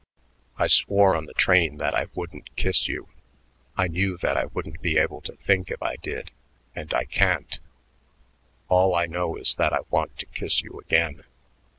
I swore on the train that I wouldn't kiss you. I knew that I wouldn't be able to think if I did and I can't; all I know is that I want to kiss you again."